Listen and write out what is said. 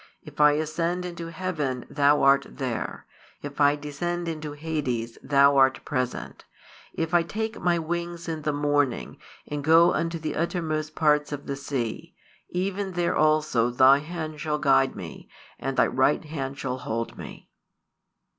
If I ascend into heaven, Thou art there; if I descend into Hades, Thou art present: if I take my wings in the morning, and go unto the uttermost parts of the sea, even there also Thy hand shall guide me, and Thy right hand shall hold me.